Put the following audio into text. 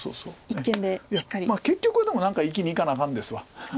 いや結局でも何か生きにいかなあかんですわ。